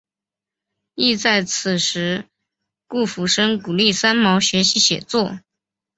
亦在此时顾福生鼓励三毛学习写作。